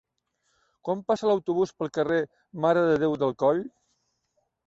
Quan passa l'autobús pel carrer Mare de Déu del Coll?